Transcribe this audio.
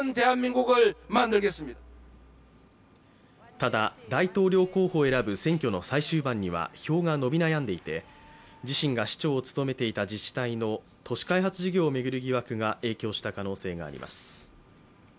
ただ大統領候補を選ぶ選挙の最終盤には票が伸び悩んでいて、自身が市長を務めていた自治体の都市開発事業を巡る疑惑が影響した可能性があります。